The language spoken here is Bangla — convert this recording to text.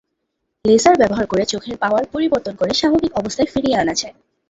লেজার ব্যবহার করে চোখের পাওয়ার পরিবর্তন করে স্বাভাবিক অবস্থায় ফিরিয়ে আনা যায়।